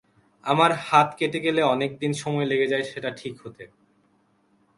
আমার হাত কেটে গেলে অনেকদিন সময় লেগে যায় সেটা ঠিক হতে।